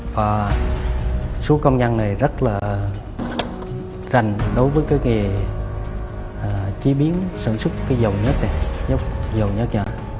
và số công nhân này rất là rành đối với cái nghề chế biến sản xuất cái dầu nhớt này dầu nhớt nhỏ